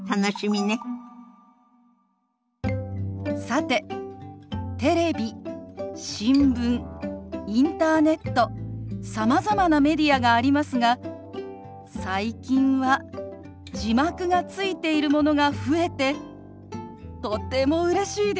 さてテレビ新聞インターネットさまざまなメディアがありますが最近は字幕がついているものが増えてとてもうれしいです。